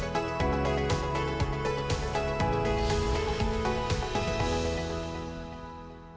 masalah pembangunan air limbah